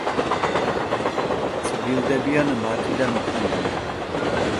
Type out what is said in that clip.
წყვილდებიან მარტიდან ოქტომბრამდე.